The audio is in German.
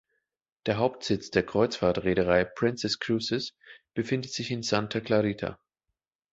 Der Hauptsitz der Kreuzfahrt-Reederei Princess Cruises befindet sich in Santa Clarita.